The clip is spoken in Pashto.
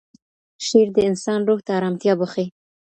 شعر د انسان روح ته ارامتیا بښي.